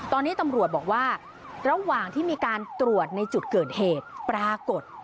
ตอนนี้ตำรวจบอกว่าระหว่างที่มีการตรวจในจุดเกิดเหตุปรากฏ